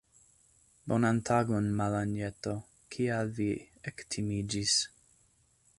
Bonan tagon, Malanjeto, kial vi ektimiĝis?